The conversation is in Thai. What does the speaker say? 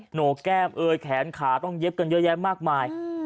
โหนกแก้มเอยแขนขาต้องเย็บกันเยอะแยะมากมาย